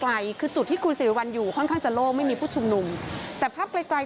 รอยลงมานะครับรอยขึ้นมาจากจุดที่มีนูลเลสเตอร์ศรีเขียว